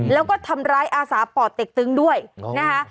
แล้วก็ทำร้ายอาสาป่อเต็กตึงด้วยนะคะ